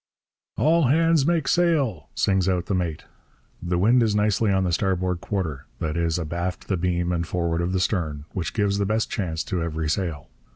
'All hands make sail!' sings out the mate. The wind is nicely on the starboard quarter, that is, abaft the beam and forward of the stern, which gives the best chance to every sail.